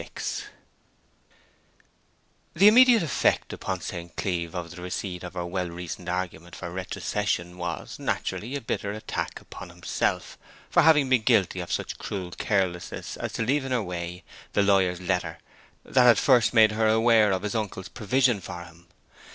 XXXVI The immediate effect upon St. Cleeve of the receipt of her well reasoned argument for retrocession was, naturally, a bitter attack upon himself for having been guilty of such cruel carelessness as to leave in her way the lawyer's letter that had first made her aware of his uncle's provision for him.